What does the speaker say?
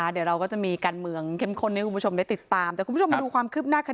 เดี๋ยวเราก็จะมีการเมืองเข้มข้นให้คุณผู้ชมได้ติดตาม